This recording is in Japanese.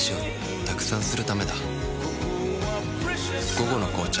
「午後の紅茶」